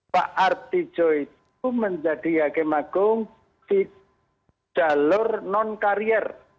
pak artijo itu menjadi hakim agung di jalur non karier